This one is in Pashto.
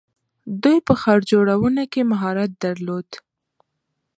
دوی په ښار جوړونه کې مهارت درلود.